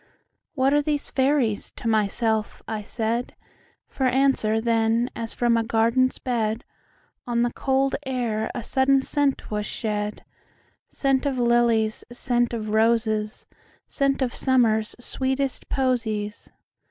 "What are these fairies?" to myself I said; For answer, then, as from a garden's bed, On the cold air a sudden scent was shed,—Scent of lilies, scent of roses, Scent of Summer's sweetest posies.